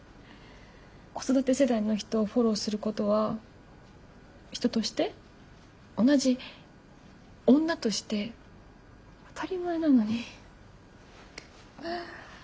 子育て世代の人をフォローすることは人として同じ女として当たり前なのに。